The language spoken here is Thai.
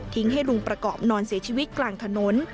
ให้ลุงประกอบนอนเสียชีวิตกลางถนน